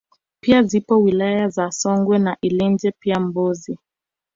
pia zipo wilaya za Songwe na Ileje pia Mbozi